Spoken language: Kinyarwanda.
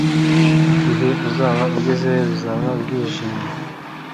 igihe azaba agezeyo, bizaba byijimye